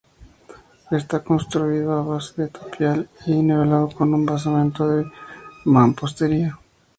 Está construido a base de tapial y nivelado con un basamento de mampostería.